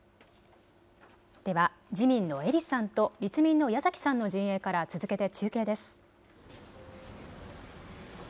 では自民の英利さんと立民の矢崎さんの陣営から続けて中継です。